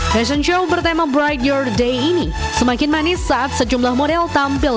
fashion show bertema bright your day ini semakin manis saat sejumlah model tampil